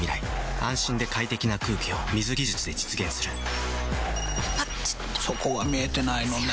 安心で快適な空気を水技術で実現するピピピッあっちょそこは見えてないのね。